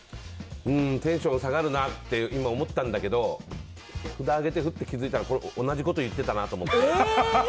テンション下がるなって今、思ったんだけど札を上げてフッと気づいたのはこれ、同じこと言ってたなって思って。